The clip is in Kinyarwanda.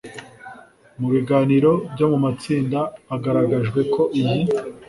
mu biganiro byo mu matsinda hagaragajwe ko iyi